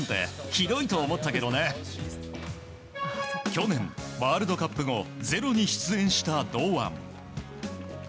去年、ワールドカップ後「ｚｅｒｏ」に出演した堂安。